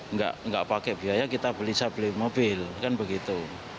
nggak pakai biaya kita beli saya beli mobil kan begitu